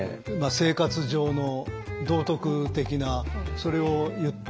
生活上の道徳的なそれを言ってますよね。